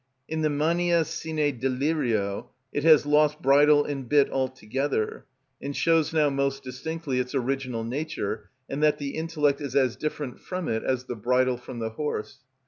In the _Mania __ sine delirio_ it has lost bridle and bit altogether, and shows now most distinctly its original nature, and that the intellect is as different from it as the bridle from the horse.